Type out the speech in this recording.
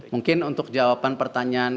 mungkin untuk jawaban pertanyaan